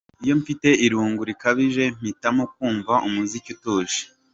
Iyo mfite irungu rikabije mpitamo kumva umuziki utuje.